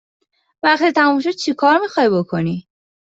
وقتی تمام شد چکار می خواهی بکنی؟